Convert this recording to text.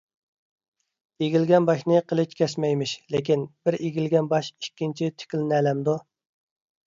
ئېگىلگەن باشنى قىلىچ كەسمەيمىش. لېكىن، بىر ئېگىلگەن باش ئىككىنچى تىكلىنەلەمدۇ؟